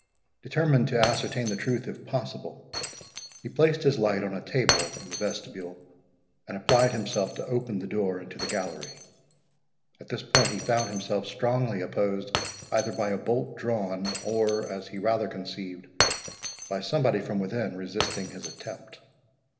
Determined to ascertain the truth if possible, he placed his light on a table in the vestibule, and applied himself to open the door into the gallery. At this point he found himself strongly opposed either by a bolt drawn, or, as he rather conceived, by somebody from within resisting his attempt.